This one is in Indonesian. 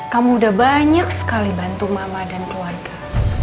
kamu udah banyak sekali bantu mama dan keluarga